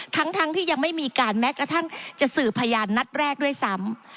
ทั้งที่ยังไม่มีการแม้กระทั่งจะสื่อพยานนัดแรกด้วยซ้ำ